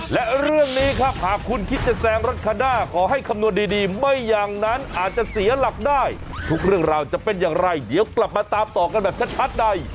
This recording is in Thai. และเรื่องนี้ครับหากคุณคิดจะแซงรถคันหน้าขอให้คำนวณดีไม่อย่างนั้นอาจจะเสียหลักได้ทุกเรื่องราวจะเป็นอย่างไรเดี๋ยวกลับมาตามต่อกันแบบชัดใด